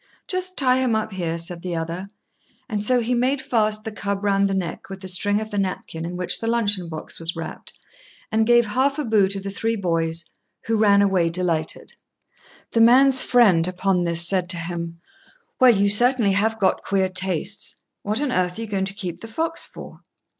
"Just tie him up here," said the other; and so he made fast the cub round the neck with the string of the napkin in which the luncheon box was wrapped, and gave half a bu to the three boys, who ran away delighted. The man's friend, upon this, said to him, "Well, certainly you have got queer tastes. What on earth are you going to keep the fox for?"